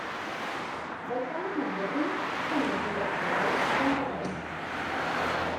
Wy kamen deryn en it wie al blau fan 'e reek.